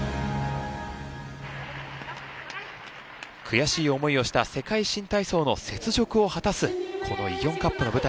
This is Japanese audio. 悔しい思いをした世界新体操の雪辱を果たすこのイオンカップの舞台です。